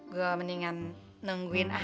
gue mendingan nungguin